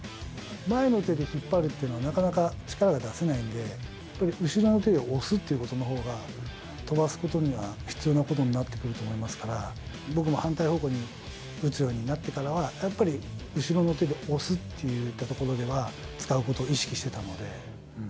前の手で引っ張るっていうのは、なかなか力が出せないんで、後ろの手で押すっていうことのほうが飛ばすことには必要なことになってくると思いますから、僕も反対方向に打つようになってからは、やっぱり後ろの手で押すっていったところでは、使うことを意識してたので。